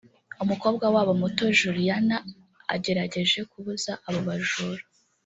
umukobwa wabo muto Julianna agerageje kubuza abo bajura